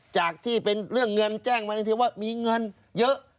จากที่เป็นเรื่องเงินแจ้งมาทันทีว่ามีเงินเยอะ